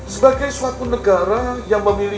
sebagai suatu negara yang memiliki